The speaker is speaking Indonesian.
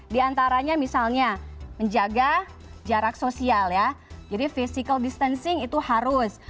di antaranya misalnya menjaga jarak sosial ya jadi physical distancing itu harus